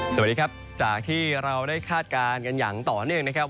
สวัสดีครับจากที่เราได้คาดการณ์กันอย่างต่อเนื่องนะครับ